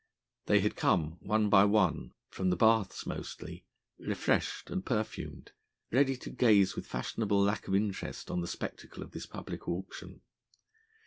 They had come one by one from the baths mostly refreshed and perfumed, ready to gaze with fashionable lack of interest on the spectacle of this public auction.